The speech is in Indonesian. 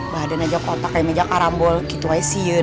badan aja kotak kayak meja karambol gitu icu